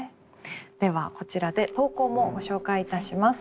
ではこちらで投稿もご紹介いたします。